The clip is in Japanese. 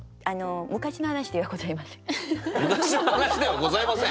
昔の話ではございません！？